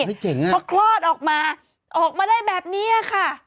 เขาคลอดออกมาออกมาได้แบบนี้ค่ะ